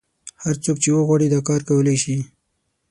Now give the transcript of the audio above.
هر څوک چې وغواړي دا کار کولای شي.